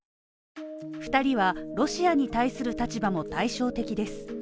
２人はロシアに対する立場も対照的です。